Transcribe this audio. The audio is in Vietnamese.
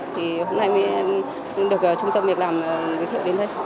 thì hôm nay mới được trung tâm việc làm giới thiệu đến đây